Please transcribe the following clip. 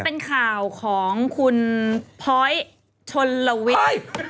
มันเป็นข่าวของคุณพร้อยทนลวิล